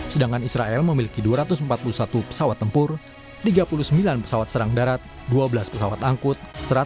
sedangkan israel memiliki dua ratus empat puluh satu pesawat tempur tiga puluh sembilan pesawat serang darat dua belas pesawat angkutan